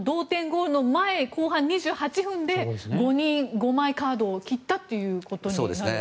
ゴールの前、後半２８分で５枚、カードを切ったということになるんですね。